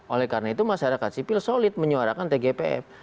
oleh karena itu masyarakat sipil solid menyuarakan tgpf